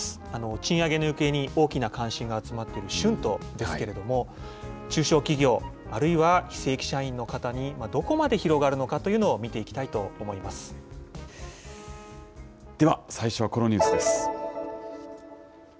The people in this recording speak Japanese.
賃上げの行方に大きな関心が集まっている春闘ですけれども、中小企業、あるいは非正規社員の方にどこまで広がるのかというのを見では、最初はこのニュースです。